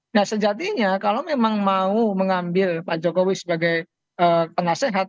nah sejatinya kalau memang mau mengambil pak jokowi sebagai penasehat